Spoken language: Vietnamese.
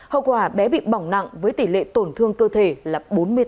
hậu quả bé bị bỏng nặng với tỷ lệ tổn thương cơ thể là bốn mươi tám